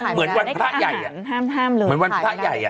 เหมือนวันพระใหญ่อ่ะเหมือนวันพระใหญ่อ่ะขายไม่ได้ห้ามเลย